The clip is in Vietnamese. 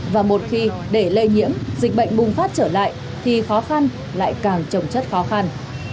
và một khi để lây nhiễm dịch bệnh bùng phát trở lại thì khó khăn lại càng trồng chất khó khăn